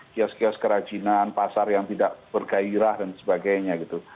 kios kios kerajinan pasar yang tidak bergairah dan sebagainya gitu